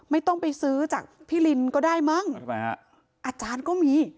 ไม่ต้องไปซื้อจากพี่ลินก็ได้มั้งทำไมฮะอาจารย์ก็มี